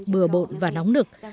bừa bộn và nóng nực